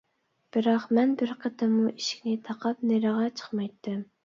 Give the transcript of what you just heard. بىراق مەن بىر قېتىممۇ ئىشىكنى تاقاپ نېرىغا چىقمايتتىم.